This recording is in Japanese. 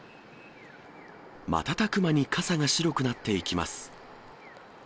瞬く間に傘が白くなっていきます。